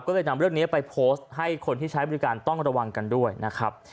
ก็เลยนำเรื่องนี้ไปโพสต์ให้คนที่ใช้บริการต้องระวังกันด้วยนะครับ